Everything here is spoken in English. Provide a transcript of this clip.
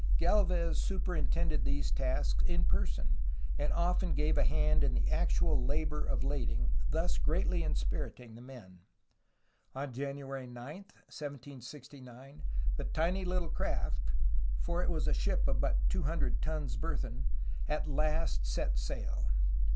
Galvez superintended these tasks in person, and often gave a hand in the actual labor of lading, thus greatly inspiriting the men. On January 9, 1769, the tiny little craft, for it was a ship of but two hundred tons burthen, at last set sail.